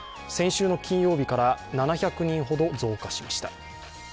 先週の金曜日から７００人ほど増加しました。